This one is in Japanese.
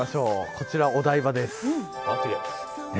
こちらお台場です。